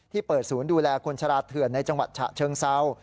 เปิดศูนย์ดูแลคนชะลาเถื่อนในจังหวัดฉะเชิงเซา